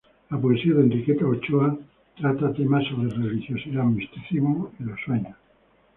La poesía de Enriqueta Ochoa trata temas sobre religiosidad, misticismo y los sueños.